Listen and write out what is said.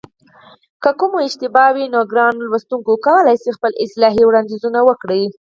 که کومه اشتباه وي نو ګران لوستونکي کولای شي خپل اصلاحي وړاندیزونه وکړي